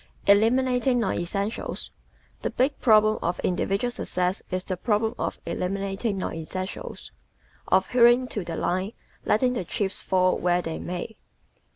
Eliminating Non Essentials ¶ The big problem of individual success is the problem of eliminating non essentials of "hewing to the line, letting the chips fall where they may."